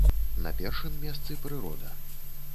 На першым месцы прырода.